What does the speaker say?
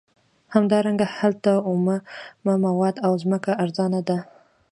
همدارنګه هلته اومه مواد او ځمکه ارزانه ده